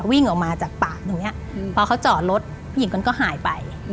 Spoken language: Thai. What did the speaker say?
วิ่งออกมาจากปากตรงนี้พอเขาจอดรถผู้หญิงคนก็หายไป